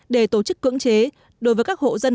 để tổ chức cưỡng chế đối với các hộ dân